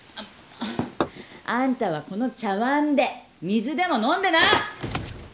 あんたはこの茶わんで水でも飲んでな！